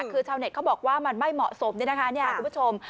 คือชาวเน็ตเขาบอกว่ามันไม่เหมาะสมเนี่ยนะคะคุณผู้ชม